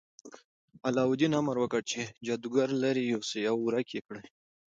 علاوالدین امر وکړ چې جادوګر لرې یوسي او ورک یې کړي.